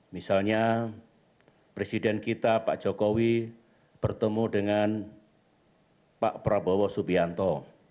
misalnya presiden kita pak jokowi bertemu dengan pak prabowo subianto